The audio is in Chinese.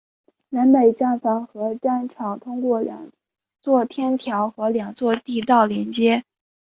南北站房和站场通过两座天桥和两座地道连接。